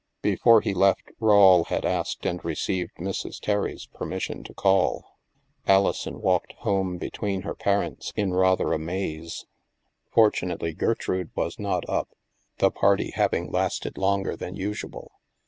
Before he left, Rawle had asked and received Mrs. Terry's permission to call. Alison walked home between her parents in rather a maze. Fortimately, Gertrude wa^ not up, the party having lasted longer than usual.